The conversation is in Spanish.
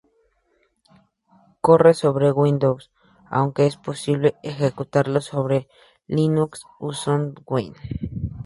Corre sobre Windows, aunque es posible ejecutarlo sobre Linux usando Wine.